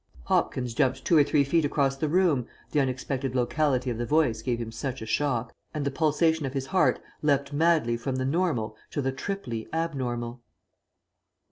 Hopkins jumped two or three feet across the room, the unexpected locality of the voice gave him such a shock, and the pulsation of his heart leaped madly from the normal to the triply abnormal.